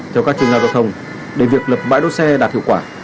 theo các chuyên gia giao thông để việc lập bãi đỗ xe đạt hiệu quả